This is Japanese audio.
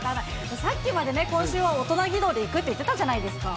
さっきまでね、今週は大人義堂でいくって言ってたじゃないですか。